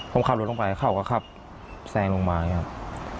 ผมขับรถลงไปเขาก็ขับแซงลงมาอย่างนี้ครับ